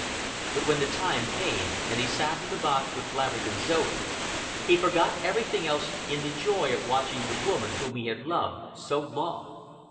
But when the time came, and he sat in the box with Laverick and Zoe, he forgot everything else in the joy of watching the woman whom he had loved so long.